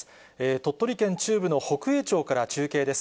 鳥取県中部の北栄町から中継です。